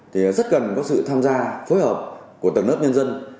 thì rất cần có sự tham gia phối hợp của tầng lớp nhân dân